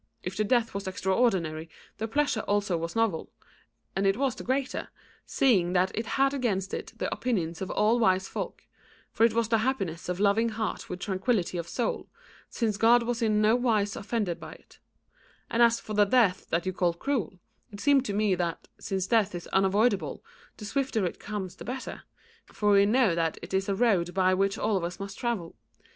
If the death was extraordinary, the pleasure also was novel, and it was the greater seeing that it had against it the opinions of all wise folk, for it was the happiness of a loving heart with tranquillity of soul, since God was in no wise offended by it And as for the death that you call cruel, it seems to me that, since death is unavoidable, the swifter it comes the better; for we know that it is a road by which all of us must travel.